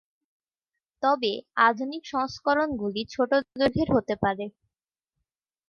তবে আধুনিক সংস্করণগুলি ছোট দৈর্ঘের হতে পারে।